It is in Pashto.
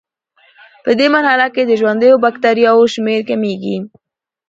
پدې مرحله کې د ژوندیو بکټریاوو شمېر کمیږي.